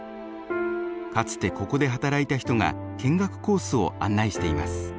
かつてここで働いた人が見学コースを案内しています。